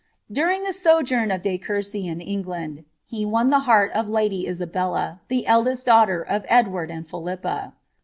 During the sojourn ' De Courcy in England, he won the heart <^ the lady Isabella, the dest daughter of Edward and Philippa.